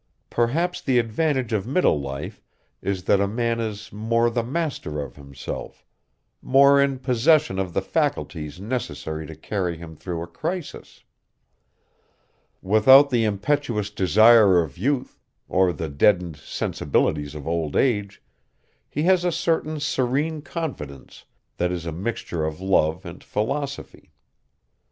Perhaps the advantage of middle life is that a man is more the master of himself, more in possession of the faculties necessary to carry him through a crisis. Without the impetuous desire of youth, or the deadened sensibilities of old age, he has a certain serene confidence that is a mixture of love and philosophy.